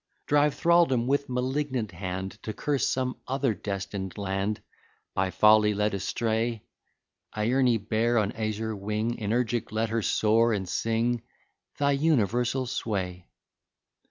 Drive Thraldom with malignant hand, To curse some other destined land, By Folly led astray: Iërne bear on azure wing; Energic let her soar, and sing Thy universal sway.